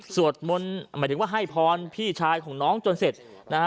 สวดมนต์หมายถึงว่าให้พรพี่ชายของน้องจนเสร็จนะฮะ